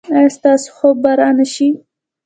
ایا ستاسو خوب به را نه شي؟